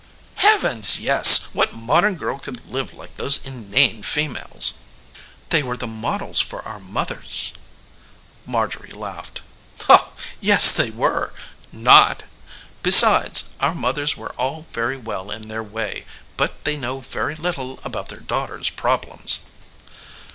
"Heavens, yes! What modern girl could live like those inane females?" "They were the models for our mothers." Marjorie laughed. "Yes, they were not! Besides, our mothers were all very well in their way, but they know very little about their daughters' problems."